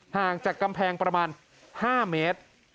ห่างจากกำแพงประมาณ๕เมตร